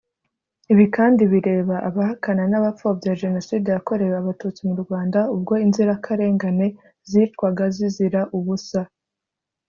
Ibikandi bireba abahakana n abapfobya Jenoside yakorewe Abatutsi mu Rwanda ubwo inzirakarengane zicwaga zizira ubusa.